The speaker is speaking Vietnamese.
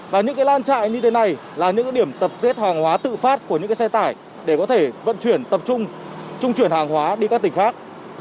và những lan chạy như thế này là những điểm tập kết hàng hóa tự phát của những xe tải để có thể vận chuyển tập trung trung chuyển hàng hóa đi các tỉnh khác